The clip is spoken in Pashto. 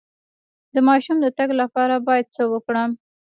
د ماشوم د تګ لپاره باید څه وکړم؟